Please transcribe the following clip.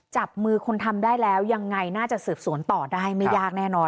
จับมือคนทำได้แล้วยังไงน่าจะสืบสวนต่อได้ไม่ยากแน่นอน